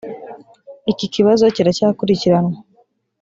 iki kibazo kiracyakurikiranwa